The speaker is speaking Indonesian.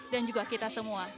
dan juga kita semua